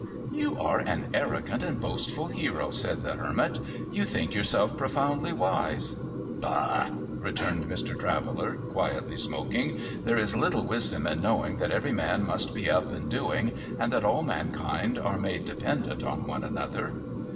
' You are an arrogant and boastful hero,' said the Hermit. ' You think yourself profoundly wise.' ' liah I ' returned j\Ir. Traveller, quietly smoking. ' There is little wisdom in knowing that every man must be up and doing, and that all mankind are made dependent on one another.'